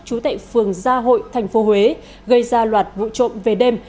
chú tệ phường gia hội tp huế gây ra loạt vụ trộm về đêm